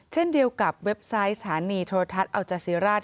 เช่นเดียวกับเว็บไซต์สถานีโทรทัศน์อัลจาซีราช